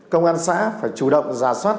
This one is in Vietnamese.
công an xã phải chủ động ra soát